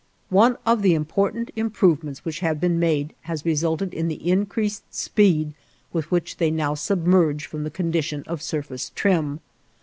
One of the important improvements which have been made has resulted in the increased speed with which they now submerge from the condition of surface trim.